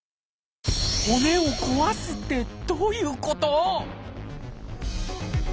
「骨を壊す」ってどういうこと？